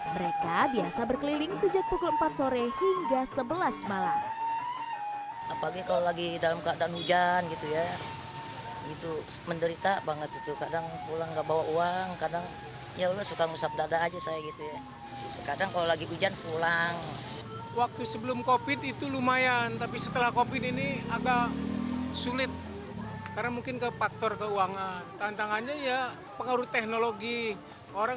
mereka biasa berkeliling sejak pukul empat sore hingga sebelas malam